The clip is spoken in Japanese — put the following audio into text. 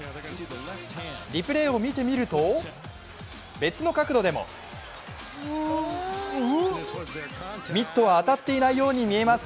リプレーを見てみると、別の角度でもミットは当たっていないように見えます。